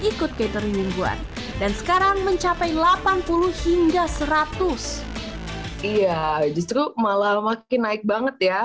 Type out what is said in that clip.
ikut catering mingguan dan sekarang mencapai delapan puluh hingga seratus iya justru malah makin naik banget ya